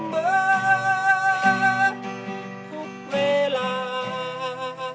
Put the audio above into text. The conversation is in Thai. ทุกเวลา